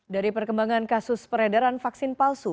dari perkembangan kasus peredaran vaksin palsu